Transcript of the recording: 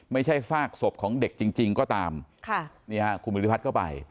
ไม่ใช่ซากศพของเด็กจริงจริงก็ตามค่ะนี่ฮะคุณวิริพัฒน์ก็ไป